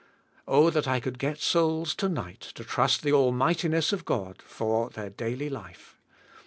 Oh, that I could g et souls, to night, to trust the almightiness of God for for their daily life.